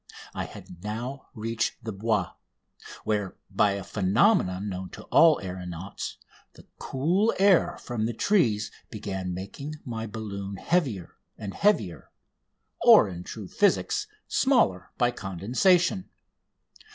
I had now reached the Bois, where, by a phenomenon known to all aeronauts, the cool air from the trees began making my balloon heavier and heavier or in true physics, smaller by condensation.